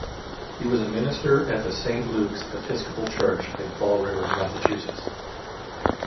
He was a minister at the Saint Lukes Episcopal Church in Fall River, Massachusetts.